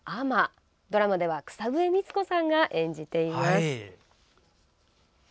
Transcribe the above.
ドラマでは草笛光子さんが演じています。